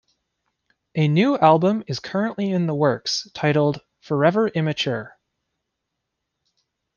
A new album is currently in the works titled "Forever Immature".